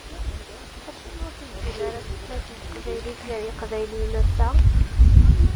Acimi ur tuzzil ara tutlayt n teqbaylit gar yiqbayliyen ass-a?